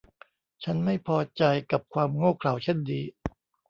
ฉันไม่พอใจกับความโง่เขลาเช่นนี้